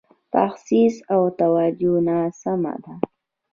تخصیص او توجیه ناسمه ده.